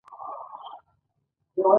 ما له یوه عسکر نه اجازه وغوښته.